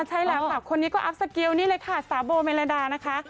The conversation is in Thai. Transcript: ใช่แล้วค่ะคนนี้ก็อัพสเกียวนี่เลยค่ะสาวโบเมลดานะคะ